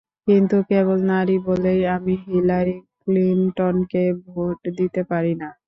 কিন্তু কেবল নারী বলেই আমি হিলারি ক্লিনটনকে ভোট দিতে পারি না।